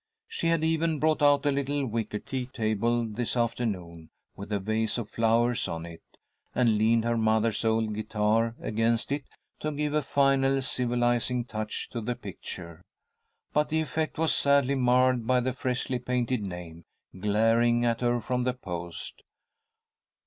She had even brought out a little wicker tea table this afternoon, with a vase of flowers on it, and leaned her mother's old guitar against it to give a final civilizing touch to the picture. But the effect was sadly marred by the freshly painted name, glaring at her from the post.